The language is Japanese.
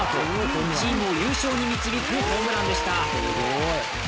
チームを優勝に導くホームランでした。